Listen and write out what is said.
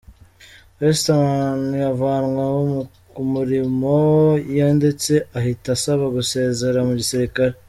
Hesterman, avanwa ku mirimo ye ndetse ahita asaba gusezera mu gisirikare.